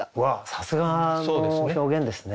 さすがの表現ですね